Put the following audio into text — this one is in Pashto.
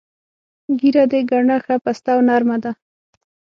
ږیره دې ګڼه، ښه پسته او نر مه ده.